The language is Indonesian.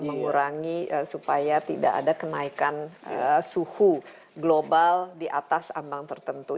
mengurangi supaya tidak ada kenaikan suhu global di atas ambang tertentu